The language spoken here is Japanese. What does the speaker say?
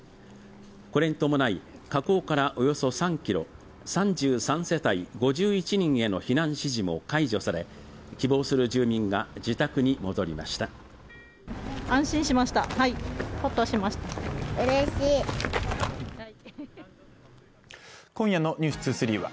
これに伴い火口からおよそ３ｋｍ３３世帯５１人への避難指示も解除され希望する住民が自宅に戻りました今夜の「ｎｅｗｓ２３」は